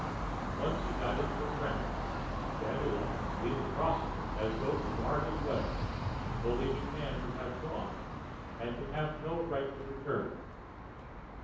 Once he got into a trench. Dandelions leaned across it as though to bar his way, believing man to have gone and to have no right to return.